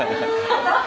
ハハハハ。